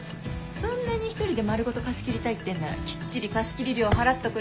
そんなに一人で丸ごと貸し切りたいってんならきっちり貸し切り料払っとくれ。